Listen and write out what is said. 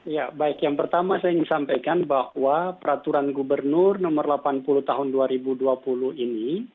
ya baik yang pertama saya ingin sampaikan bahwa peraturan gubernur nomor delapan puluh tahun dua ribu dua puluh ini